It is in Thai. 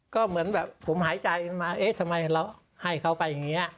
ก็เหมือนแบบผมหายใจมาเอ๊ะทำไมเราให้เขาไปอย่างนี้